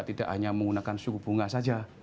tidak hanya menggunakan suku bunga saja